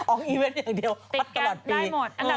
ออกอีเว้นอย่างเดียวปัดตลอดปี